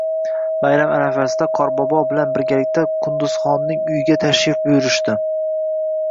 Bayram arafasida Qorbobo bilan birgalikda Qunduzxonning uyiga tashrif buyurishdi